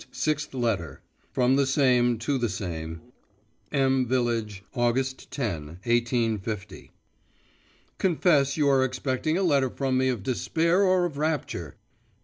SIXTH LETTER From the SAME to the SAME M VILLAGE, August 10, 1850. Confess you are expecting a letter from me of despair or of rapture!